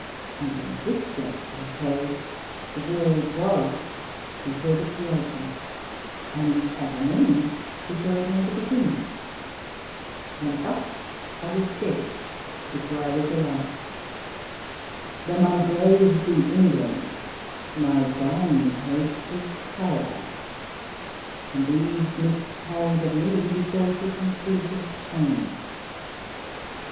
And in this sense, I say, the World was before the Creation, and at an end before it had a beginning; and thus was I dead before I was alive: though my grave be England, my dying place was Paradise: and Eve miscarried of me, before she conceived of Cain.